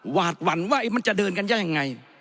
หวาดหวั่นว่ามันจะเดินกันได้ยังไง